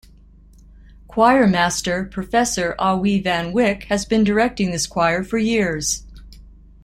Choir master prof. Awie van Wyk has been directing this choir for years.